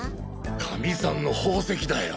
かみさんの宝石だよ。